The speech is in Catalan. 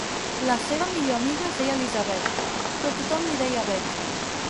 La seva millor amiga es deia Elisabet, però tothom li deia Bet.